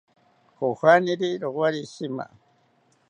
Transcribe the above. Kojaniri rowari shima